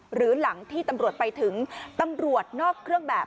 หรือหลังที่ตำรวจไปถึงตำรวจนอกเครื่องแบบ